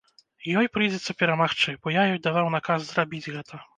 Ёй прыйдзецца перамагчы, бо я ёй даваў наказ зрабіць гэта.